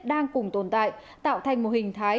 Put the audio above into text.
đang cùng tồn tại tạo thành một hình thái